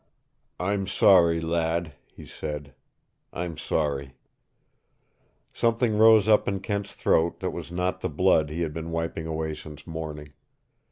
"I'm sorry, lad," he said. "I'm sorry." Something rose up in Kent's throat that was not the blood he had been wiping away since morning.